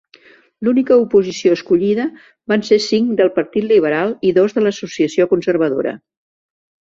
L'única oposició escollida van ser cinc del partit liberal i dos de l'associació conservadora.